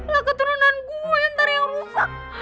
lah keturunan gue yang ntar yang rusak